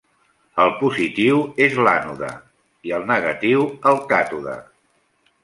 El positiu és l'ànode, i el negatiu el càtode.